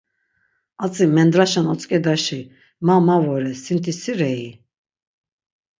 Atzi mendraşen otzǩedaşi ma ma vore sinti si rei?